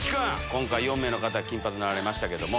今回４名の方金髪になられましたけど。